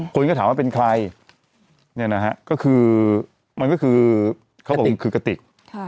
คนก็ถามว่าเป็นใครเนี่ยนะฮะก็คือมันก็คือเขาบอกคือกติก